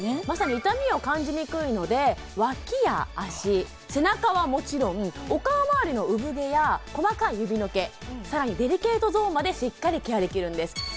まさに痛みを感じにくいのでワキや脚背中はもちろんお顔まわりの産毛や細かい指の毛更にデリケートゾーンまでしっかりケアできるんです